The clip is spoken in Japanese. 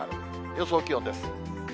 予想気温です。